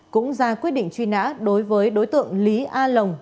cũng ra quyết định truy nã đối với đối tượng lý a lồng